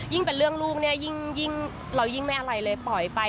ยิ่งเป็นเรื่องลูกเรายิ่งไม่เอาอะไรเลยปล่อยไป